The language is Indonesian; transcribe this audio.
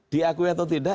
diakui atau tidak